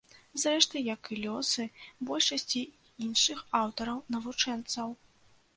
Зрэшты, як і лёсы большасці іншых аўтараў-навучэнцаў.